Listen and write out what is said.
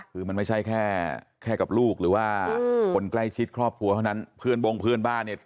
คือมันไม่ใช่แค่กับลูกหรือว่าคนใกล้ชิดครอบครัวเท่านั้นเพื่อนบงเพื่อนบ้านเนี่ย